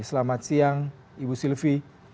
selamat siang ibu sylvie